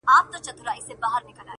• خپل جنون په کاڼو ولم,